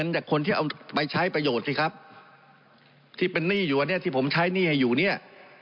หรือว่าจะเป็นม้ำเนี่ย